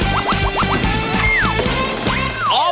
แล้วเราจะไปที่สุดท้ายมาก